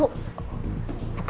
bukannya orang yang sama ricky